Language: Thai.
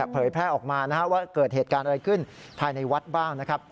เผยแพร่ออกมาว่าเกิดเหตุการณ์อะไรขึ้นภายในวัดบ้างนะครับ